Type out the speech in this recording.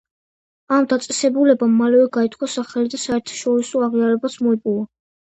ამ დაწესებულებამ მალევე გაითქვა სახელი და საერთაშორისო აღიარებაც მოიპოვა.